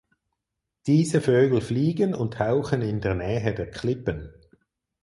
Diese Vögel fliegen und tauchen in der Nähe der Klippen.